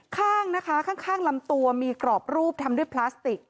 ข้างนะคะข้างลำตัวมีกรอบรูปทำด้วยพลาสติก